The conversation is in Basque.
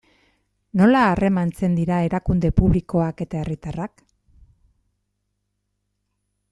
Nola harremantzen dira erakunde publikoak eta herritarrak?